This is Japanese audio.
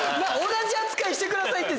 同じ扱いしてくださいって。